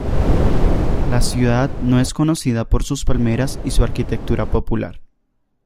La ciudad es conocida por sus palmeras y su arquitectura popular.